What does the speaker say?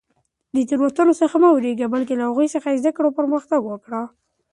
د تېروتنو څخه مه وېرېږه، بلکې له هغوی زده کړه او پرمختګ وکړه.